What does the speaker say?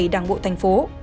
đảng bộ thành phố